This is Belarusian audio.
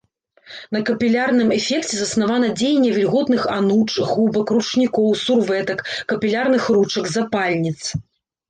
На капілярным эфекце заснавана дзеянне вільготных ануч, губак, ручнікоў, сурвэтак, капілярных ручак, запальніц.